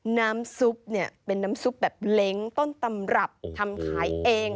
น้ำซุปเนี่ยเป็นน้ำซุปแบบเล้งต้นตำรับทำขายเอง